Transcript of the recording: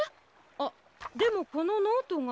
あっでもこのノートが。